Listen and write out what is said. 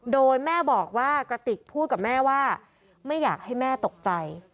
โดยแม่บอกว่ากระติกพูดกับแม่ว่าไม่อยากให้แม่ตกใจ